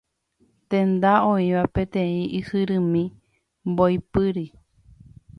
Tenda oĩva peteĩ ysyrymi mboypýri.